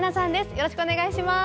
よろしくお願いします。